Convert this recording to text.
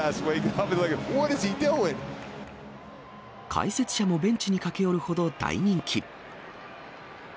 解説者もベンチに駆け寄るほど大人気。